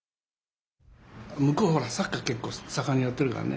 向こうはサッカー結構盛んにやってるからね。